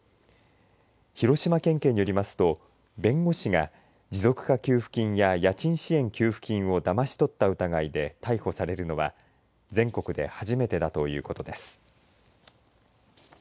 広島県警によりますと弁護士が持続化給付金や家賃支援給付金をだまし取った疑いで逮捕されるのは全国で初めてだということです。